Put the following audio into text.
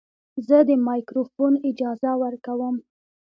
زه د مایکروفون اجازه ورکوم.